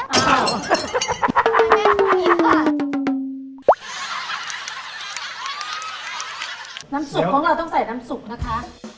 น้ำซุปของเราต้องใส่น้ำซุปนะคะ